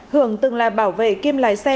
hường từng là bảo vệ kiêm lái xe